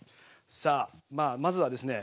さあまずはですね